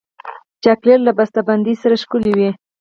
چاکلېټ له بسته بندۍ سره ښکلی وي.